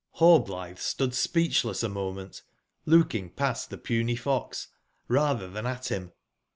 '' HLLBLXTIRC stood speecbless a moment, looking past tbe puny fox, ratber tban at HI bim.